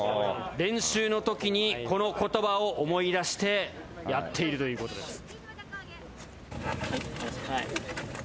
練習の時にこの言葉を思い出してやっているという事です。